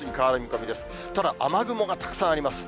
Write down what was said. ただ、雨雲がたくさんあります。